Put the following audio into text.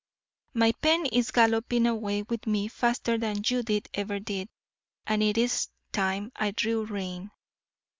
my pen is galloping away with me faster than Judith ever did, and it is time I drew rein.